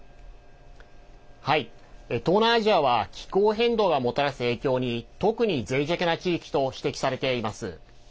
東南アジアは気候変動がもたらす影響に特に、ぜい弱な地域と指摘されています。